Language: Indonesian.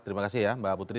terima kasih ya mbak putri